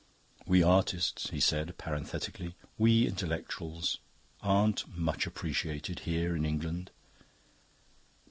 "We artists," he said parenthetically, "we intellectuals aren't much appreciated here in England."